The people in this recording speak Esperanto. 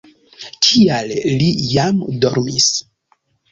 Kial li jam dormis?